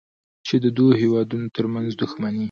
چې د دوو هېوادونو ترمنځ دوښمني